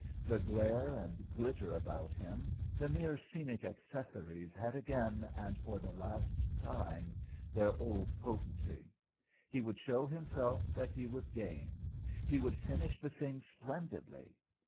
The glare and glitter about him, the mere scenic accessories had again, and for the last time, their old potency. He would show himself that he was game, he would finish the thing splendidly.